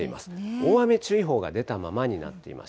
大雨注意報が出たままになっています。